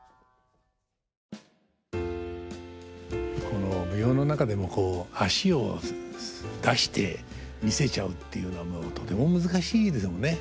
この舞踊の中でもこう脚を出して見せちゃうっていうのはとても難しいでしょうね。